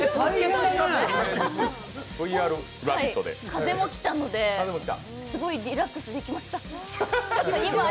風も来たので、すごいリラックスできました。